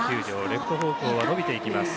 レフト方向は伸びていきます。